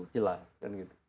jelas kan gitu